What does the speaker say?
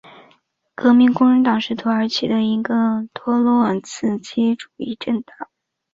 革命工人党是土耳其的一个托洛茨基主义政党。